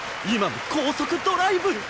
今の高速ドライブ！」